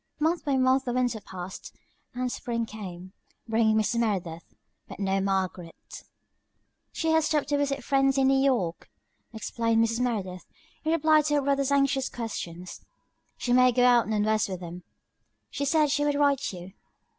'" Month by month the winter passed, and spring came, bringing Mrs. Merideth, but no Margaret. "She has stopped to visit friends in New York," explained Mrs. Merideth, in reply to her brother's anxious questions. "She may go on west with them. She said she would write you."